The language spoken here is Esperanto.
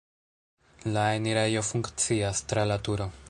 La enirejo funkcias tra laturo.